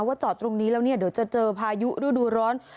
จอดตรงนี้แล้วเนี่ยเดี๋ยวจะเจอพายุฤดูร้อน